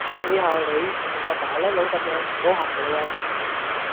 睇下你，成個麻甩佬甘樣，唔好行埋黎呀